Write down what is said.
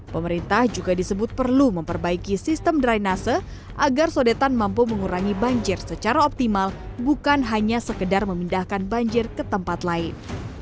pemerintah juga disebut perlu memperbaiki sistem drainase agar sodetan mampu mengurangi banjir secara optimal bukan hanya sekedar memindahkan banjir ke tempat lain